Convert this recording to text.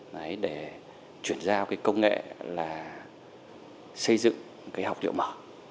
đấy để chuyển giao cái công nghệ là xây dựng cái học liệu mở